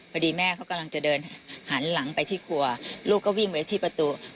พอดีแม่เขากำลังจะเดินหันหลังไปที่ครัวลูกก็วิ่งไว้ที่ประตู